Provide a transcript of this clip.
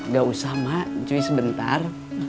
gak usah mak cui sebentar